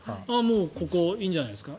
ここ、いいんじゃないですか。